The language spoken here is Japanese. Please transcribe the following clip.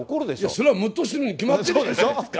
それはむっとするに決まってるでしょ。